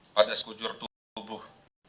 pada sekujur tubuh